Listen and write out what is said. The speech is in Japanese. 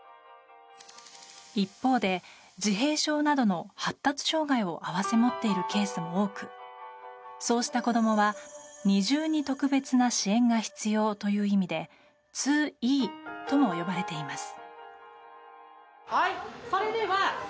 一方で自閉症などの発達障害を併せ持っているケースも多くそうした子供は、二重に特別な支援が必要という意味で２Ｅとも呼ばれています。